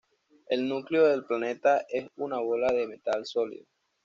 El núcleo del planeta es una bola de metal sólido.